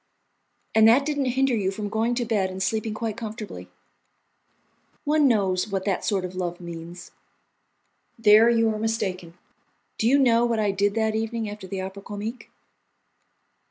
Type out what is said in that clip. "And that didn't hinder you from going to bed and sleeping quite comfortably. One knows what that sort of love means." "There you are mistaken. Do you know what I did that evening, after the Opera Comique?"